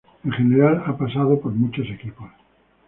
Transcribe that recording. En general, ha pasado por muchos equipos.